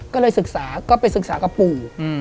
ก็เลยศึกษาก็ไปศึกษากับปู่